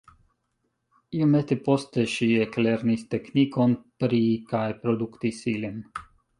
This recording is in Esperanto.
Iomete poste ŝi eklernis teknikon pri kaj produktis ilin.